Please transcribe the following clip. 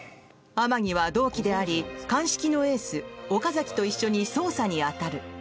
天樹は同期であり鑑識のエース岡崎と一緒に捜査に当たる。